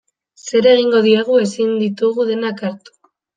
Zer egingo diegu, ezin ditugu denak hartu.